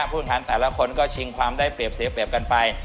ผู้พันแต่ละคนก็ชิงความได้เปรียบเสียเปรียบกันไป